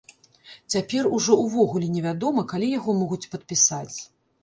Цяпер ужо ўвогуле невядома, калі яго могуць падпісаць.